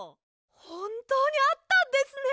ほんとうにあったんですね！